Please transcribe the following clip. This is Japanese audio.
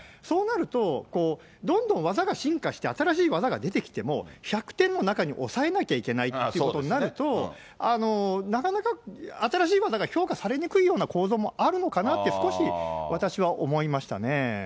そうなると、どんどん技が進化して新しい技が出てきても、１００点の中に抑えなきゃいけないっていうことになると、なかなか新しい技が評価されにくいような構造もあるのかなって、少し私は思いましたね。